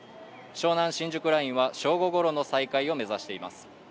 湘南新宿ラインは正午ごろの再開を目指しています